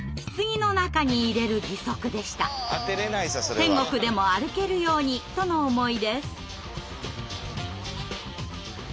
「天国でも歩けるように」との思いです。